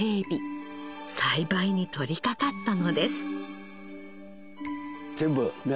栽培に取りかかったのです。